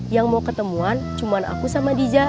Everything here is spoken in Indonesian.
yang mau ketemuan cuma aku sama dija